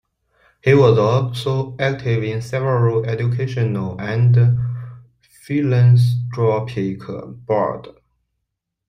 He was also active in several educational and philanthropic boards.